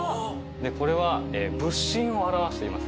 これは仏心を表しています